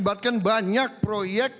baik baik baik